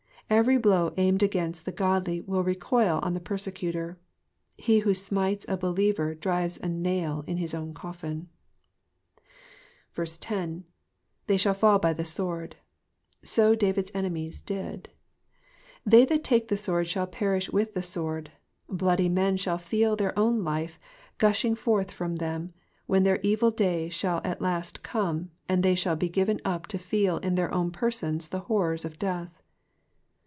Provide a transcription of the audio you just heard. Every blow aimed against the godly will recoil on the persecutor ; he who smites a believer drives a nail in his own cofiSn. 10. ^^Thiy shaU fall by the sword,'" So David's enemies did. They that Digitized by VjOOQIC PSALM THE BIXTT THIRD. 137 take the sword shall perish with the sword ; bloody men shall feel their own life pushing forth from them, when their evil day shall at last come, and they shall be given up to feel in their own persons the horrors of death.